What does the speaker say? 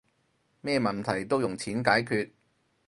咩問題都用錢解決